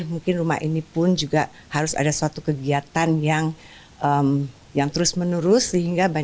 mungkin rumah ini pun juga harus ada suatu kegiatan yang terus menerus